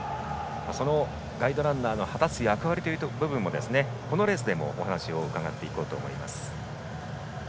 そのガイドランナーの果たす役割という部分もこのレースでもお話を伺っていこうと思います。